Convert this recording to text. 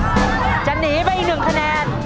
๓หนุ่ม๓ซ่าจะหนีไปอีก๑คะแนน